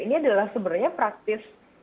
ini adalah sebenarnya praktis